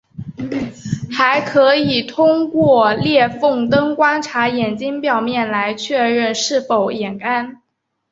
还可以通过裂缝灯观察眼睛表面来确认是否眼干。